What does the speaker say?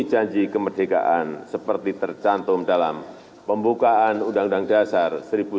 janji kemerdekaan seperti tercantum dalam pembukaan undang undang dasar seribu sembilan ratus empat puluh lima